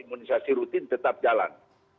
imunisasi rutin tetap jalan